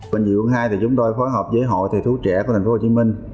bệnh viện quân hai chúng tôi phối hợp với hội thầy thú trẻ của tp hcm